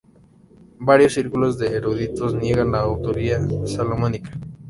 Varios círculos de eruditos niegan la autoría salomónica.